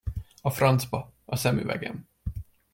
A francba, a szemüvegem.